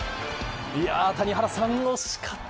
谷原さん、惜しかった。